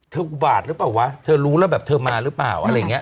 อุบาทหรือเปล่าวะเธอรู้แล้วแบบเธอมาหรือเปล่าอะไรอย่างนี้